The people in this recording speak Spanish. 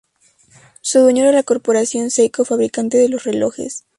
Su dueño era la Corporación Seiko, fabricante de relojes.